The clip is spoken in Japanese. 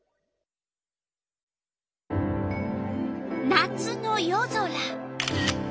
夏の夜空。